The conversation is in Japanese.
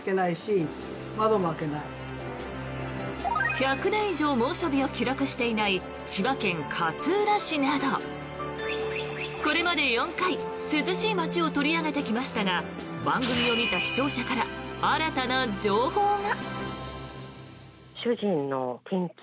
１００年以上猛暑日を記録していない千葉県勝浦市などこれまで４回涼しい街を取り上げてきましたが番組を見た視聴者から新たな情報が。